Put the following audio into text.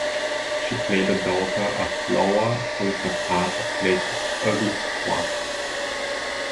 She played the daughter of Lola, who is a part of Letty's "Ugly Squad".